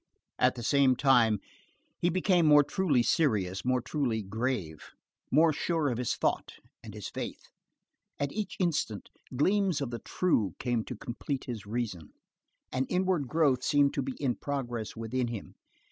At the same time, he became more truly serious, more truly grave, more sure of his thought and his faith. At each instant, gleams of the true came to complete his reason. An inward growth seemed to be in progress within him.